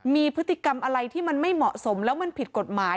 มีพฤติกรรมอะไรที่มันไม่เหมาะสมแล้วมันผิดกฎหมาย